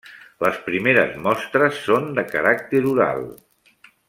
Les primeres mostres són de caràcter oral.